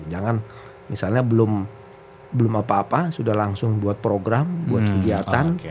jangan misalnya belum apa apa sudah langsung buat program buat kegiatan